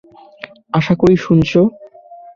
আশা করি শুনেছো।